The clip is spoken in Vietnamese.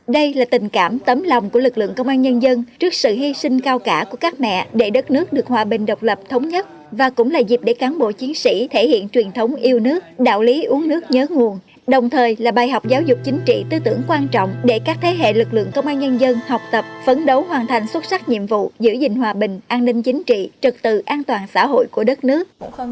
đây là tình cảm tấm lòng của lực lượng công an nhân dân trước sự hy sinh cao cả của các mẹ để đất nước được hòa bình độc lập thống nhất và cũng là dịp để cán bộ chiến sĩ thể hiện truyền thống yêu nước đạo lý uống nước nhớ nguồn đồng thời là bài học giáo dục chính trị tư tưởng quan trọng để các thế hệ lực lượng công an nhân dân học tập phấn đấu hoàn thành xuất sắc nhiệm vụ giữ gìn hòa bình an ninh chính trị trật tự an toàn xã hội của đất nước